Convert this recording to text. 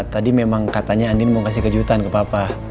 tadi memang katanya andin mau kasih kejutan ke papa